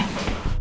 maaf pak bu